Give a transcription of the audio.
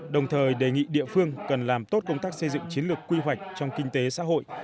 đồng thời đề nghị địa phương cần làm tốt công tác xây dựng chiến lược quy hoạch trong kinh tế xã hội